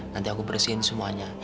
nanti aku bersihin semuanya